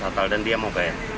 natal dan dia moga ya